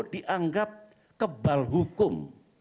dianggap kebal hukum